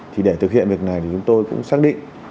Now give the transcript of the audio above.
thì để thực hiện việc này thì chúng tôi cũng xác định